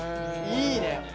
いいね！